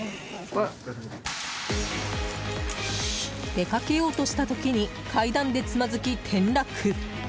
出かけようとした時に階段でつまずき転落。